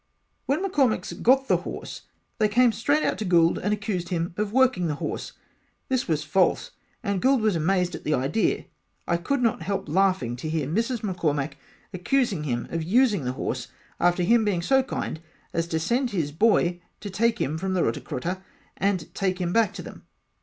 When McCormack's got the horse they came straight out to Goold and accused him of working the horse; this was false, and Goold was amazed at the idea I could not help laughing to hear Mrs. McCormack accusing him of using the horse after him being so kind as to send his boy to take him from the Ruta Cruta and take him back to them.